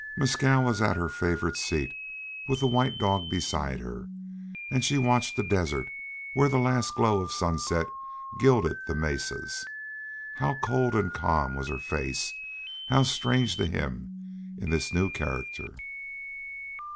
Mescal was at her favorite seat, with the white dog beside her; and she watched the desert where the last glow of sunset gilded the mesas. How cold and calm was her face! How strange to him in this new character!